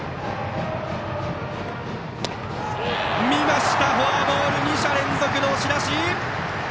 見ました、フォアボール２者連続の押し出し！